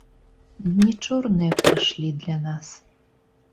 Дні чорныя прыйшлі для нас.